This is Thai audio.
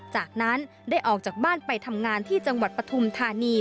จากนั้นได้ออกจากบ้านไปทำงานที่จังหวัดปฐุมธานี